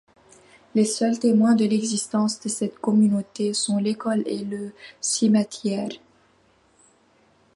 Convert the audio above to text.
Les seuls témoins de l'existence de cette communauté sont l'école et le cimetière.